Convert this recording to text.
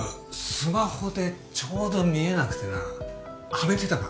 スマホでちょうど見えなくてなはめてたか？